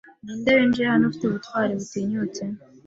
Ninde winjiye hano afite ubutwari butinyutse